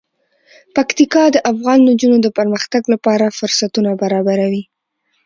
پکتیکا د افغان نجونو د پرمختګ لپاره فرصتونه برابروي.